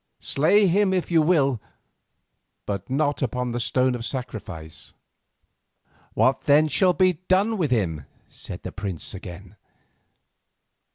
Slay him if you will, but not upon the stone of sacrifice." "What then shall be done with him?" said the prince again.